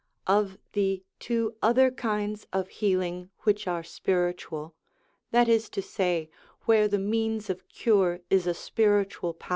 Of the two other kinds of healing which are spiritual that is to say, where the means of cure is a spiritual x 1